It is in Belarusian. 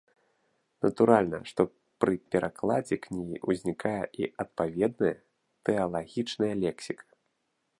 Натуральна, што пры перакладзе кнігі ўзнікае і адпаведная тэалагічная лексіка.